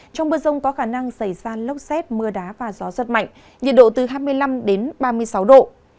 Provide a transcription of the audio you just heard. trong mưa rông có khả năng xảy ra lốc xét mưa đá và gió rất mạnh nhiệt độ từ hai mươi năm ba mươi sáu độ